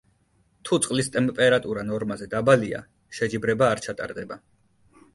თუ წყლის ტემპერატურა ნორმაზე დაბალია, შეჯიბრება არ ჩატარდება.